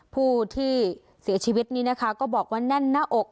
ผู้ที่เสียชีวิตนี้นะคะก็บอกว่าแน่นหน้าอก